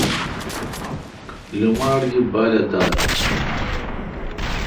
لوماٹ گی بالہ دال